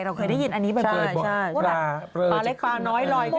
เราเคยได้ยินอันนี้บ่อย